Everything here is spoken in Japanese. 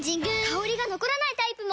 香りが残らないタイプも！